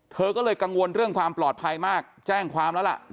เธอก็เลยกังวลเรื่องความปลอดภัยมากแจ้งความแล้วล่ะ